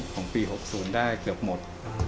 ของปี๖๐ได้เกือบหมด